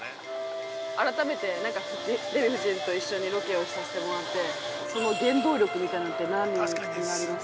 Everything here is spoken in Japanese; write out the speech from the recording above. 改めてデヴィ夫人と、一緒にロケをさせていただいて、その原動力みたいなものは、何になりますか。